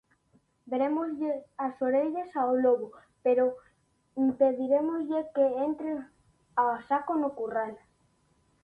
Verémoslle as orellas ao lobo, pero impedirémoslle que entre a saco no curral.